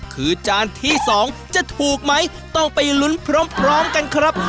คือจานที่๒จะถูกไหมต้องไปลุ้นพร้อมกันครับ